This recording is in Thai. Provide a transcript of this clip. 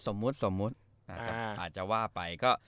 สมมุติอาจจะว่าไปก็